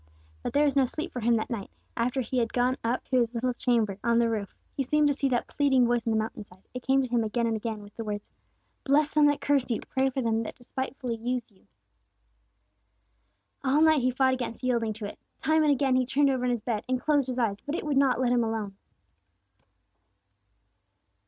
But there was no sleep for him that night, after he had gone up to his little chamber on the roof. He seemed to see that pleading face on the mountain side; it came to him again and again, with the words, "Bless them that curse you! Pray for them that despitefully use you!" All night he fought against yielding to it. Time and again he turned over on his bed, and closed his eyes; but it would not let him alone.